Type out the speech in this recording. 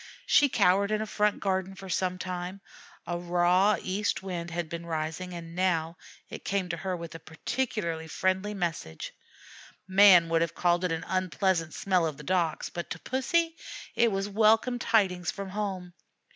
She cowered in a front garden for some time. A raw east wind had been rising, and now it came to her with a particularly friendly message; man would have called it an unpleasant smell of the docks, but to Pussy it was welcome tidings from home.